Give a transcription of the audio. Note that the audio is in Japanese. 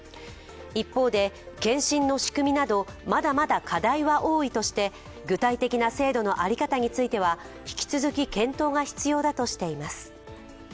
一方で、検診の仕組みなどまだまだ課題は多いとして具体的な制度の在り方については引き続き検討が必要だとしています。